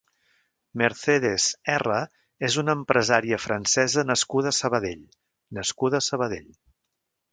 Mercedes Erra és una empresària francesa nascuda a Sabadell nascuda a Sabadell.